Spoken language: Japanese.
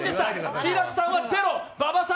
志らくさんはゼロ、馬場さん